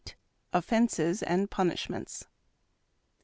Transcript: OFFENCES AND PUNISHMENTS.